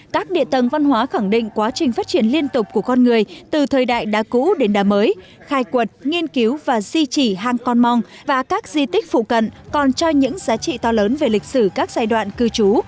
các địa tầng văn hóa khẳng định quá trình phát triển liên tục của con người từ thời đại đá cũ đến đá mới khai quật nghiên cứu và di chỉ hang con mong và các di tích phụ cận còn cho những giá trị to lớn về lịch sử các giai đoạn cư trú